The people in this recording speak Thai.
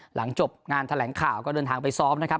หลังจบงานแถลงข่าวก็เดินทางไปซ้อมนะครับ